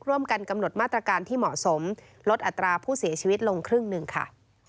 ร่วมกันกำหนดมาตรการที่เหมาะสมลดอัตราผู้เสียชีวิตลงครึ่งหนึ่งค่ะ